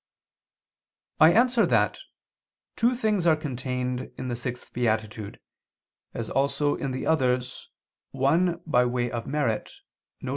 I answer that, Two things are contained in the sixth beatitude, as also in the others, one by way of merit, viz.